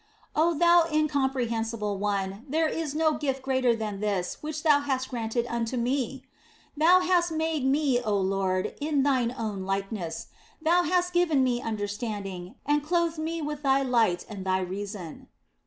Oh, Thou Incomprehensible One, there is no gift greater than this which Thou hast granted unto me ! Thou hast made me, oh Lord, in Thine own likeness ; Thou hast given me understanding and clothed me with Thy light and Thy reason.